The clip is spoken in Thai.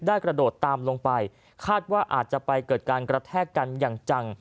กระโดดตามลงไปคาดว่าอาจจะไปเกิดการกระแทกกันอย่างจัง